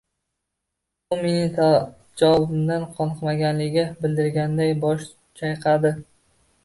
U mening javobimdan qoniqmaganligini bildirganday bosh chayqadi